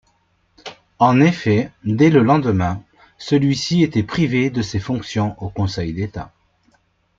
En effet, dès le lendemain, celui-ci était privé de ses fonctions au Conseil d'État.